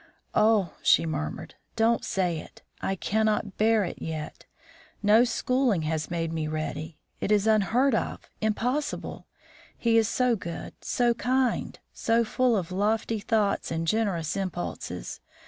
"Oh!" she murmured, "don't say it! I cannot bear it yet. No schooling has made me ready. It is unheard of impossible! He is so good, so kind, so full of lofty thoughts and generous impulses.